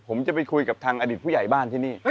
ผมจะไปคุยกับทางอดีตผู้ใหญ่บ้านที่นี่